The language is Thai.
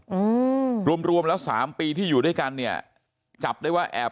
ผู้หญิงคนอื่นรวมแล้ว๓ปีที่อยู่ด้วยกันเนี่ยจับได้ว่าแอบ